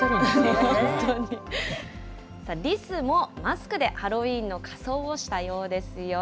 リスもマスクでハロウィーンの仮装をしたようですよ。